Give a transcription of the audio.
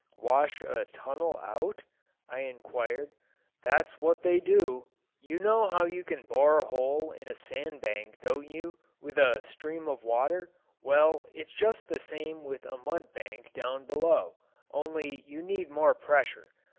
"Wash a tunnel out?" I inquired. "That's what they do. You know how you can bore a hole in a sand bank, don't you, with a stream of water? Well, it's just the same with a mud bank down below, only you need more pressure.